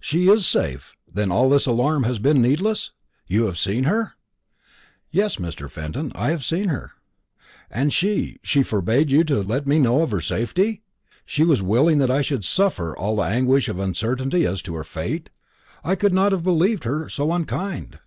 "She is safe then all this alarm has been needless? You have seen her?" "Yes, Mr. Fenton, I have seen her." "And she she forbade you to let me know of her safety? She was willing that I should suffer all the anguish of uncertainty as to her fate? I could not have believed her so unkind."